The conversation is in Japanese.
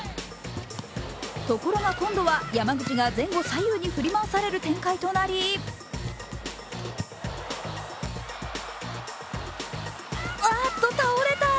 ところが今度は山口が前後左右に振り回される展開となりあーっと、倒れた。